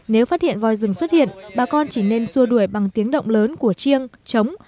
nếu phát hiện voi rừng xuất hiện bà con chỉ nên xua đuổi bằng tiếng động lớn của chiêng trống